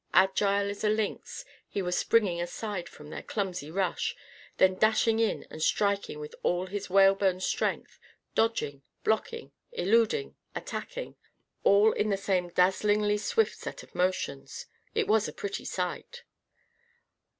Agile as a lynx, he was springing aside from their clumsy rush, then dashing in and striking with all his whalebone strength; dodging, blocking, eluding, attacking; all in the same dazzlingly swift set of motions. It was a pretty sight.